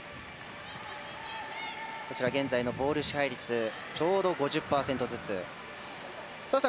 現在のボール支配率ちょうど５０％ずつです。